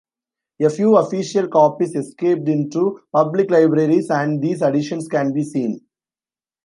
A few official copies "escaped" into public libraries and these additions can be seen.